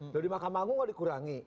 dari makam agung gak dikurangi